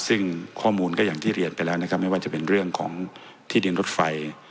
ซึ่งข้อมูลก็อย่างที่เรียนไปแล้วนะครับไม่ว่าจะเป็นเรื่องของที่ดินรถไฟ